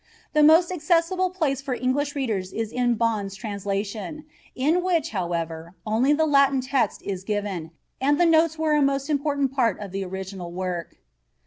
The most accessible place for English readers is in Bohn's translation, in which, however, only the Latin text is given; and the notes were a most important part of the original work."